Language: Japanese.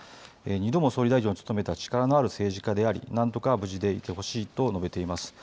２度も総理大臣を務めた力のある政治家であり何とか無事でいてほしいと述べています。